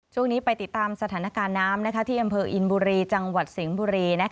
ช่วงนี้ไปติดตามสถานการณ์น้ำที่อำเภออินบุรีจังหวัดสิงห์บุรี